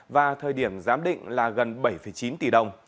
và thời điểm giám định là gần bảy chín tỷ đồng